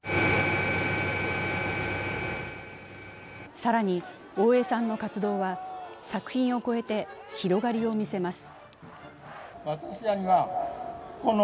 更に、大江さんの活動は作品を超えて広がりを見せます。